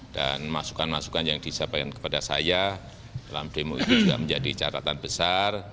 dan masukan masukan yang disampaikan kepada saya dalam demo itu juga menjadi catatan besar